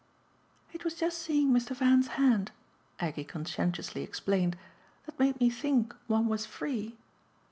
"It was just seeing Mr. Van's hand," Aggie conscientiously explained, "that made me think one was free